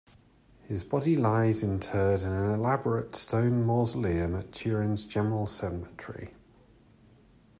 His body lies interred in an elaborate stone mausoleum at Turin's General Cemetery.